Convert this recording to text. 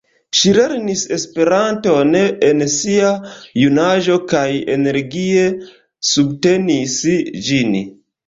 Ŝi lernis Esperanton en sia junaĝo kaj energie subtenis ĝin.